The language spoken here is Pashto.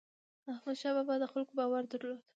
احمدشاه بابا د خلکو باور درلود.